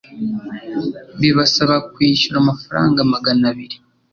bibasaba kwishyura amafaranga Magana abiri